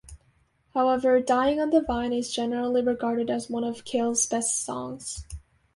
However, "Dying on the Vine" is generally regarded as one of Cale's best songs.